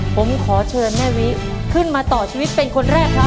ผมขอเชิญแม่วิขึ้นมาต่อชีวิตเป็นคนแรกครับ